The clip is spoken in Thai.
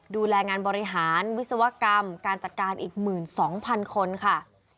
ดูแลงานบริหารวิศวกรรมการจัดการอีก๑๒๐๐๐คนค่ะ